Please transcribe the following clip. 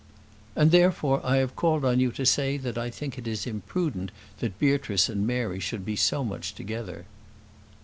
"And, therefore, I have called on you to say that I think it is imprudent that Beatrice and Mary should be so much together."